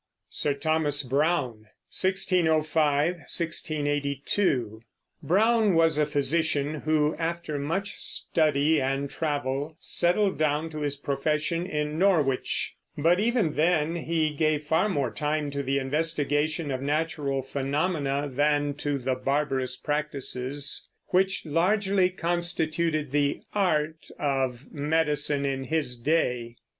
SIR THOMAS BROWNE (1605 1682). Browne was a physician who, after much study and travel, settled down to his profession in Norwich; but even then he gave far more time to the investigation of natural phenomena than to the barbarous practices which largely constituted the "art" of medicine in his day.